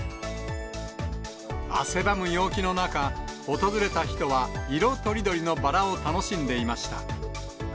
汗ばむ陽気の中、訪れた人は色とりどりのバラを楽しんでいました。